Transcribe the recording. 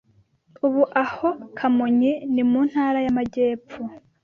Ubu, aho Kamonyi ni mu ntara y’amajyepfo,